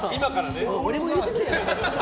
俺も入れてくれよって。